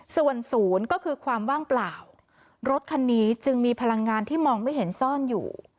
ส่วนศูนย์ก็คือความว่างเปล่ารถคันนี้จึงมีพลังงานที่มองไม่เห็นซ่อนอยู่